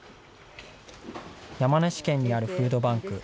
山梨県にあるフードバンク。